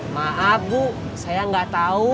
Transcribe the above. maaf bu saya nggak tahu